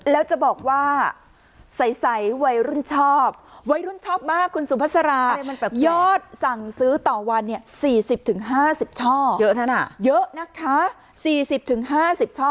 แล้วจะบอกว่าใสวัยรุ่นชอบวัยรุ่นชอบมากคุณสุภาษายอดสั่งซื้อต่อวันเนี่ย๔๐๕๐ช่อเยอะนั้นเยอะนะคะช่อ